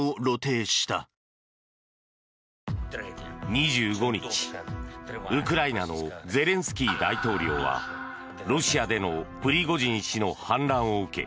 ２５日、ウクライナのゼレンスキー大統領はロシアでのプリゴジン氏の反乱を受け